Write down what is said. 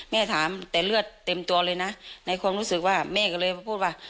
แม่ถามแต่เลือดเต็มตัวเลยนะในความรู้สึกว่าแม่ก็เลยพูดว่า